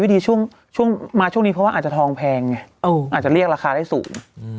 ดีช่วงมาช่วงนี้เพราะว่าอาจจะทองแพงไงอาจจะเรียกราคาได้สูง